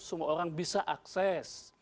semua orang bisa akses